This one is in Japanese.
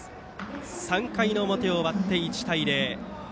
３回の表終わって、１対０。